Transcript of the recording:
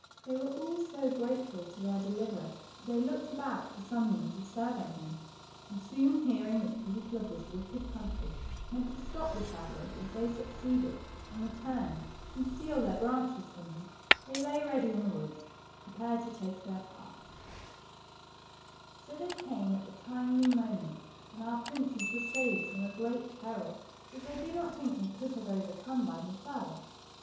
They were all so grateful to their deliverer that they looked about for some means of serving him, and soon hearing that the people of this wicked country meant to stop the travellers if they suc ceeded and returned, and steal their branches from them, they lay ready in the woods, prepared to take their part. 96 THE TWO PRINCES. So they came at the timely moment, and our princes were saved from a great peril, which I do not think they could have overcome by themselves.